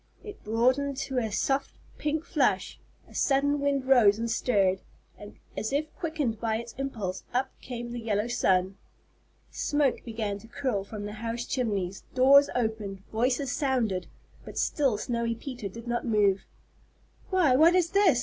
It broadened to a soft pink flush, a sudden wind rose and stirred, and as if quickened by its impulse up came the yellow sun. Smoke began to curl from the house chimneys, doors opened, voices sounded, but still Snowy Peter did not move. "Why, what is this?"